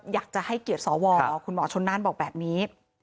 อยากจะให้เกียรติสวคุณหมอชนน่านบอกแบบนี้